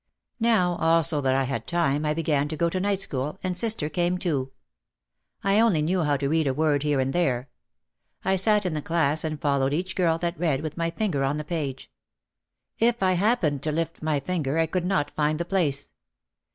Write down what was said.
Now also that I had time I began to go to night school and sister came too. I only knew how to read a word here and there. I sat in the class and followed each girl that read, with my finger on the page. If I happened to lift my finger I could not find the place.